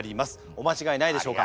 お間違えないでしょうか？